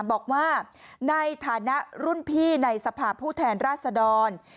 บอกว่าในฐานะรุ่นพี่ในสภาพผู้แทนราชดร